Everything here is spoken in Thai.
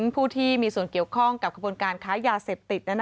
ผู้ที่มีส่วนเกี่ยวข้องกับขบวนการค้ายาเสพติด